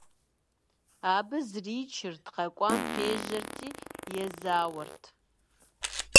Абы зричырт, къэкӀуам пежьэрти, езауэрт.